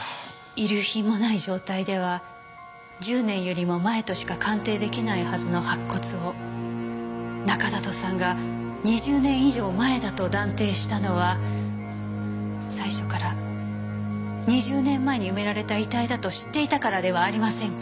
遺留品もない状態では１０年よりも前としか鑑定出来ないはずの白骨を中里さんが２０年以上前だと断定したのは最初から２０年前に埋められた遺体だと知っていたからではありませんか？